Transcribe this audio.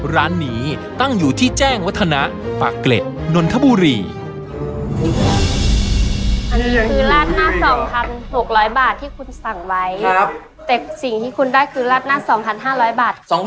แต่สิ่งที่คุณได้คือราดหน้า๒๕๐๐บาท